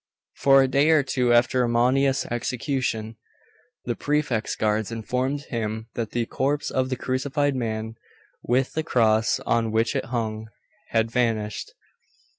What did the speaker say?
For, a day or two after Ammonius's execution, the Prefect's guards informed him that the corpse of the crucified man, with the cross on which it hung, had vanished.